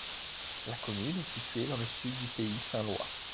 La commune est située dans le sud du Pays saint-lois.